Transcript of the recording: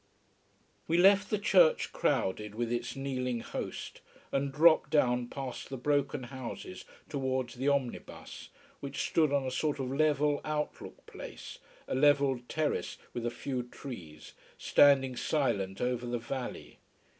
We left the church crowded with its kneeling host, and dropped down past the broken houses towards the omnibus, which stood on a sort of level out look place, a levelled terrace with a few trees, standing silent over the valley.